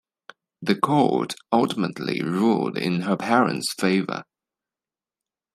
The court ultimately ruled in her parents favor.